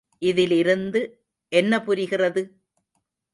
இதிலிருந்து என்ன புரிகிறது?